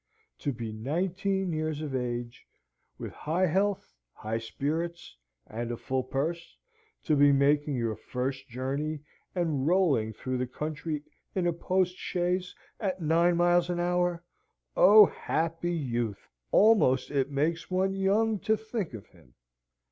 To be nineteen years of age, with high health, high spirits, and a full purse, to be making your first journey, and rolling through the country in a postchaise at nine miles an hour O happy youth! almost it makes one young to think of him!